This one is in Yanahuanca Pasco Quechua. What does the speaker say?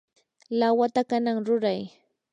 lawata kanan ruray.